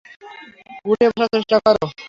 উঠে বসার চেষ্টা করো।